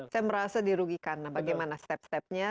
saya merasa dirugikan bagaimana step stepnya